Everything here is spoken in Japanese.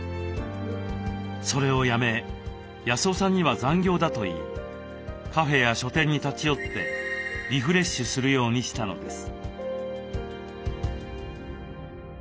それをやめ康雄さんには残業だと言いカフェや書店に立ち寄ってリフレッシュするようにしたのです。